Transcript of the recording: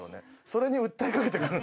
それに訴えかけてくる。